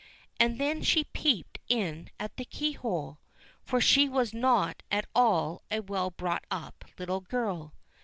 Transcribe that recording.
And then she peeped in at the keyhole, for she was not at all a well brought up little girl.